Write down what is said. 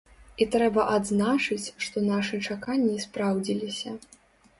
І трэба адзначыць, што нашы чаканні спраўдзіліся.